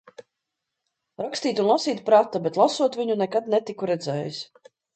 Rakstīt un lasīt prata, bet lasot viņu nekad netiku redzējis.